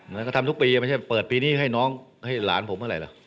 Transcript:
แล้วก็ทำทุกปีไม่ใช่เปิดปีนี้ให้น้องให้หลานผมอะไรหรอก